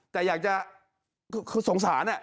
แต่อยากจะคือสงสาร